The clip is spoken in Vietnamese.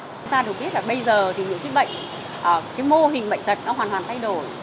chúng ta được biết là bây giờ thì những cái bệnh cái mô hình bệnh tật nó hoàn toàn thay đổi